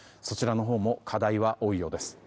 そちらのほうも課題は多いようです。